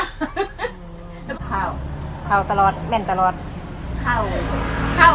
ครับแต่เข้าเข้าตลอดเย่นตลอดเข้าครับ